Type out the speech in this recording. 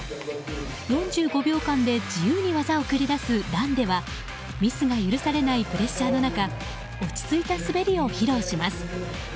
４５秒間で自由に技を繰り出すランではミスが許されないプレッシャーの中落ち着いた滑りを披露します。